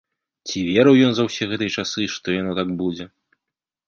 Ці верыў ён за ўсе гэтыя часы, што яно так будзе?